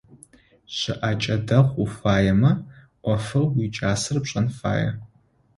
Щыӏэкӏэ дэгъу уфаемэ, ӏофэу уикӏасэр пшэн фае.